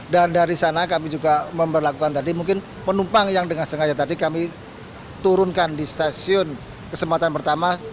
dan dari sana kami juga memperlakukan tadi mungkin penumpang yang dengan sengaja tadi kami turunkan di stasiun kesempatan pertama